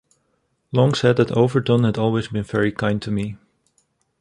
Long said that Overton had always been very kind to me.